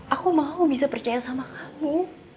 aku mau bisa percaya sama kamu